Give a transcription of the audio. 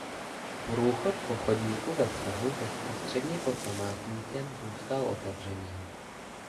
Průchod po chodníku ve svahu bezprostředně pod památníkem zůstal otevřený.